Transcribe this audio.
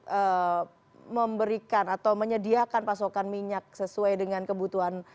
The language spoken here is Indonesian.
untuk memberikan atau menyediakan pasokan minyak sesuai dengan kebutuhan